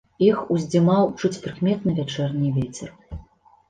Іх уздзімаў чуць прыкметны вячэрні вецер.